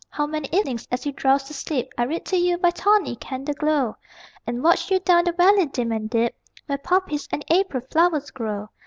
How many evenings, as you drowsed to sleep, I read to you by tawny candle glow, And watched you down the valley dim and deep Where poppies and the April flowers grow.